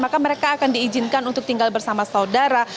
maka mereka akan diizinkan untuk tinggal bersama saudara